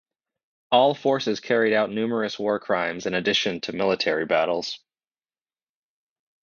All forces carried out numerous war crimes in addition to military battles.